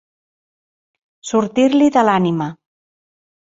Sortir-li de l'ànima.